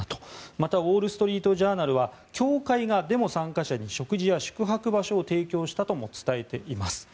また、ウォール・ストリート・ジャーナルは教会がデモ参加者に食事や宿泊場所を提供したとも伝えています。